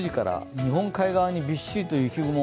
日本海側にびっしりと雪雲。